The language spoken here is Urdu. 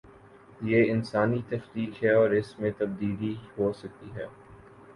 یہ انسانی تخلیق ہے اور اس میں تبدیلی ہو سکتی ہے۔